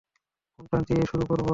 কোনটা দিয়ে শুরু করবো?